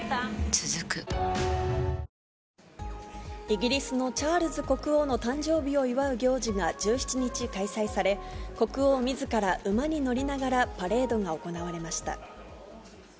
続くイギリスのチャールズ国王の誕生日を祝う行事が１７日、開催され、国王みずから馬に乗りながらパレードが行われました。